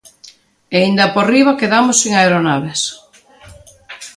E aínda por riba quedamos sen aeronaves.